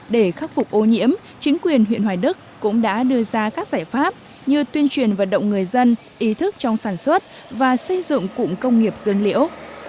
để khắc phục ô nhiễm chính quyền huyện hoài đức cũng đã đưa ra các giải pháp như tuyên truyền vận động người dân ý thức trong sản xuất và xây dựng cụm công nghiệp dương liễu